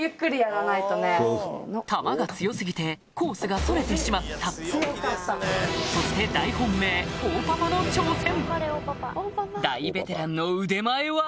球が強過ぎてコースがそれてしまったそして大本命大ベテランの腕前は？